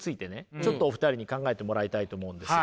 ちょっとお二人に考えてもらいたいと思うんです。